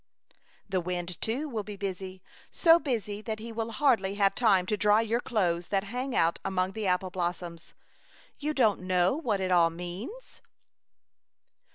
The wind, too, will be busy, so busy that he will hardly have time to dry your clothes that hang out among the apple blossoms. You don't know what it all means?